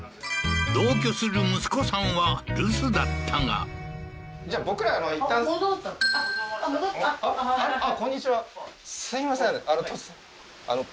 同居する息子さんは留守だったがえっ？